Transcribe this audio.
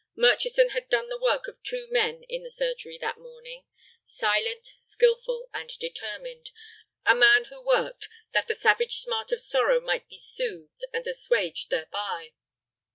Murchison had done the work of two men in the surgery that morning, silent, skilful, and determined, a man who worked that the savage smart of sorrow might be soothed and assuaged thereby.